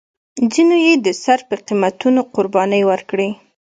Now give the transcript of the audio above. ځینو یې د سر په قیمتونو قربانۍ ورکړې.